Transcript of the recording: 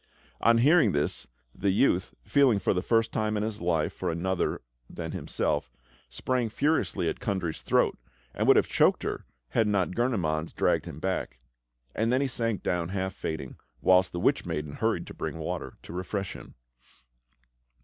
On hearing this, the youth, feeling for the first time in his life for another than himself, sprang furiously at Kundry's throat, and would have choked her, had not Gurnemanz dragged him back; and then he sank down half fainting, whilst the witch maiden hurried to bring water to refresh him.